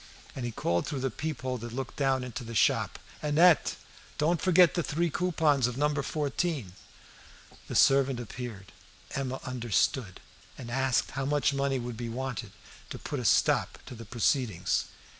And he called through the peep hole that looked down into the shop "Annette, don't forget the three coupons of No. 14." The servant appeared. Emma understood, and asked how much money would be wanted to put a stop to the proceedings.